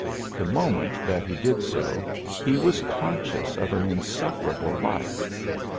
The moment that he did so he was conscious of an insufferable light.